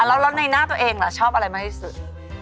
แล้วในหน้าตัวเองล่ะชอบอะไรมากที่สุด